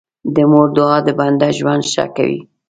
د مور دعا د بنده ژوند ښه کوي.